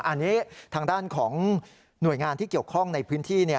อันนี้ทางด้านของหน่วยงานที่เกี่ยวข้องในพื้นที่